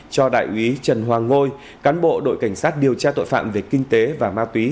cho đại úy trần hoàng ngôi cán bộ đội cảnh sát điều tra tội phạm về kinh tế và ma túy